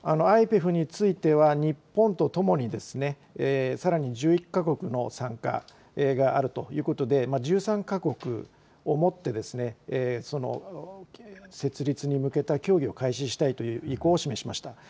ＩＰＥＦについては、日本とともにさらに１１か国の参加があるということで、１３か国をもって、設立に向けた協議を開始したいという意向を示しました。